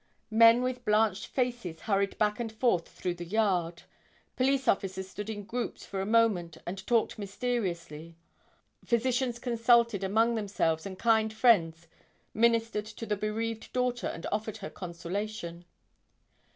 Men with blanched faces hurried back and forth through the yard; police officers stood in groups for a moment and talked mysteriously; physicians consulted among themselves and kind friends ministered to the bereaved daughter and offered her consolation.